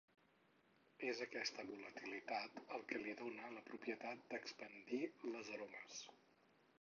És aquesta volatilitat el que li dóna la propietat d'expandir les aromes.